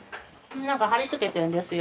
何か貼り付けてるんですよ。